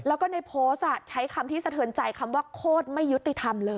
แล้วก็ในโพสต์ใช้คำที่สะเทือนใจคำว่าโคตรไม่ยุติธรรมเลย